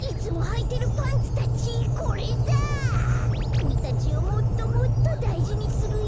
きみたちをもっともっとだいじにするよ。